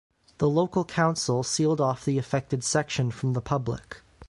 The local council sealed off the affected section from the public.